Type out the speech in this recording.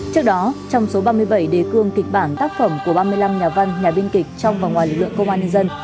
trước đó trong số ba mươi bảy đề cương kịch bản tác phẩm của ba mươi năm nhà văn nhà biên kịch trong và ngoài lực lượng công an nhân dân